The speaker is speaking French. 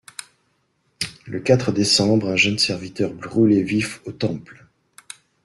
«Le quatre décembre, un jeune serviteur brûlé vif au Temple.